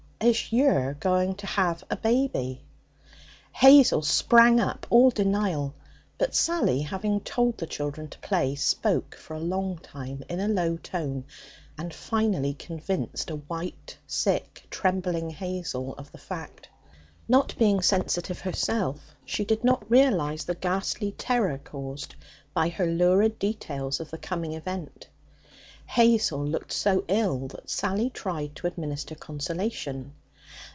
'As you're going to have a baby?' Hazel sprang up, all denial. But Sally, having told the children to play, spoke for a long time in a low tone, and finally convinced a white, sick, trembling Hazel of the fact. Not being sensitive herself, she did not realize the ghastly terror caused by her lurid details of the coming event. Hazel looked so ill that Sally tried to administer consolation.